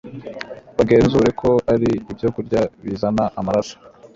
bagenzure ko ari ibyokurya bizana amaraso